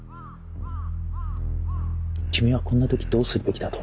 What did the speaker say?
君はこんな時どうするべきだと思う？